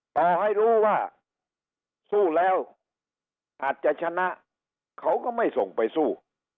ต่อให้รู้ว่าสู้แล้วอาจจะชนะเขาก็ไม่ส่งไปสู้